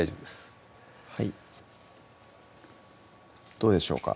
どうでしょうか？